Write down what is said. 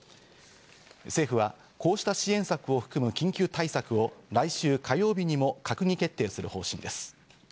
政府はこうした支援策を含む緊急対策を来週火曜日にも閣議決定する方針です。